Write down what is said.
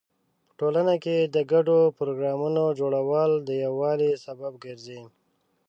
په ټولنه کې د ګډو پروګرامونو جوړول د یووالي سبب ګرځي.